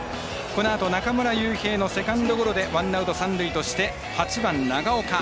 このあと中村悠平のセカンドゴロでワンアウト、三塁として８番、長岡。